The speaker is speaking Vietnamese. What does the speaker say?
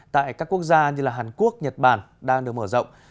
tại các quốc gia như hàn quốc nhật bản đang được mở rộng